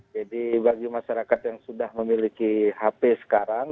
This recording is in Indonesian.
jadi bagi masyarakat yang sudah memiliki hp sekarang